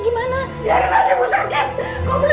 ibu ibu jangan marah marah nanti ibu sakit gimana